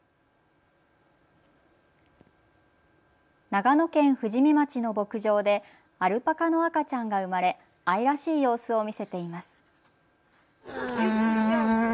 長野県富士見町の牧場でアルパカの赤ちゃんが生まれ愛らしい様子を見せています。